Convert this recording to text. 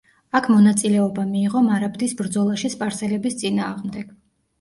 აქ მონაწილეობა მიიღო მარაბდის ბრძოლაში სპარსელების წინააღმდეგ.